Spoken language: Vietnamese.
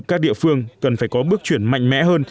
các địa phương cần phải có bước chuyển mạnh mẽ hơn